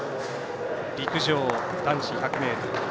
陸上男子１００ｍ。